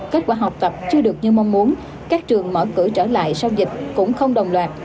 kết quả học tập chưa được như mong muốn các trường mở cửa trở lại sau dịch cũng không đồng loạt